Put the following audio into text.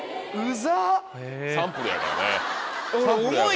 サンプルやからね。